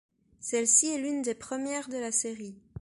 Celle-ci est l'une des premières de la série.